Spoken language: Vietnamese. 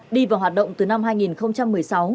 đi vào hoạt động từ năm hai nghìn một mươi sáu